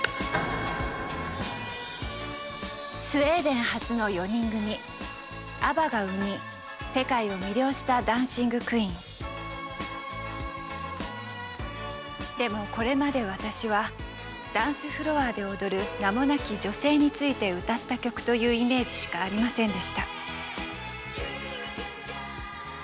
スウェーデン発の４人組ＡＢＢＡが生み世界を魅了したでもこれまで私は「ダンスフロアで踊る名もなき女性について歌った曲」というイメージしかありませんでした。